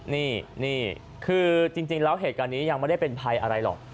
นี่คือจริงแล้วเหตุการณ์นี้ยังไม่ได้เป็นภัยอะไรหรอก